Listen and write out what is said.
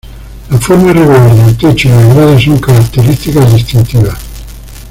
La forma irregular del techo y las gradas son características distintivas.